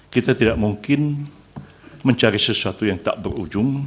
kita tidak mungkin mencari sesuatu yang tak berujung